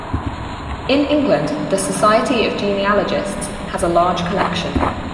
In England, the Society of Genealogists has a large collection.